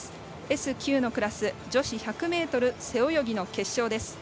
Ｓ９のクラス女子１００ｍ背泳ぎの決勝です。